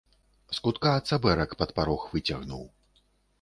З кутка цабэрак пад парог выцягнуў.